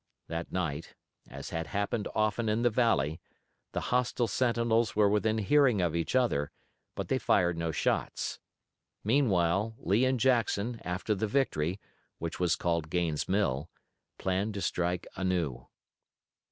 That night, as had happened often in the valley, the hostile sentinels were within hearing of each other, but they fired no shots. Meanwhile, Lee and Jackson, after the victory, which was called Gaines' Mill, planned to strike anew.